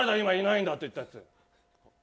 今「いないんだ」って言ったやつ。